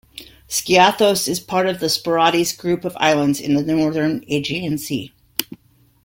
Skiathos is part of the Sporades group of islands in the Northern Aegean Sea.